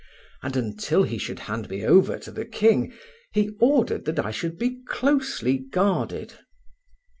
And until he should hand me over to the king, he ordered that I should be closely guarded.